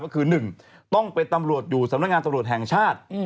ก็คือ๑ต้องเป็นตำรวจอยู่สำนักงานตำรวจแห่งชาติ